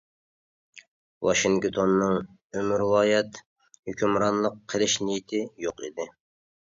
ۋاشىنگتوننىڭ ئۆمۈرۋايەت ھۆكۈمرانلىق قىلىش نىيىتى يوق ئىدى.